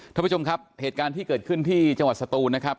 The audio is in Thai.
ท่านผู้ชมครับเหตุการณ์ที่เกิดขึ้นที่จังหวัดสตูนนะครับ